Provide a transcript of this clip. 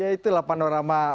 ya itulah panorama